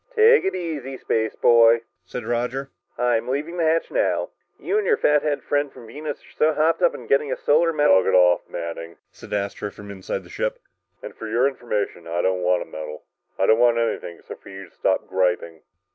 "Take it easy, spaceboy," said Roger, "I'm leaving the hatch now. You and your fatheaded friend from Venus are so hopped up for getting a Solar Medal " "Knock it off, Manning!" said Astro from inside the ship. "And for your information, I don't want a medal. I don't want anything except for you to stop griping!"